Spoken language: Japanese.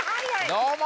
どうも！